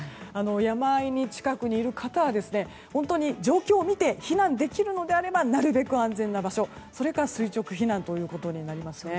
山間の近くにいる方は本当に状況を見て避難できるのであればなるべく安全な場所それから垂直避難となります。